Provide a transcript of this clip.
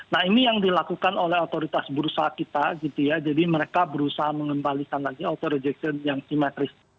nah ini yang dilakukan oleh otoritas bursa kita gitu ya jadi mereka berusaha mengembalikan lagi auto rejection yang simetris